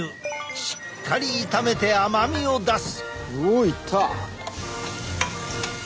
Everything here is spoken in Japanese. しっかり炒めて甘みを出す！